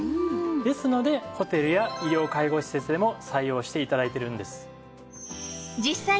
ですのでホテルや医療・介護施設でも採用して頂いているんです。